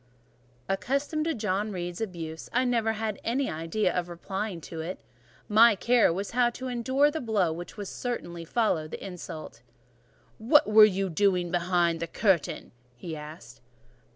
Accustomed to John Reed's abuse, I never had an idea of replying to it; my care was how to endure the blow which would certainly follow the insult. "What were you doing behind the curtain?" he asked.